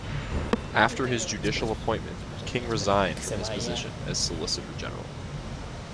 After his judicial appointment, King resigned from his position as Solicitor General.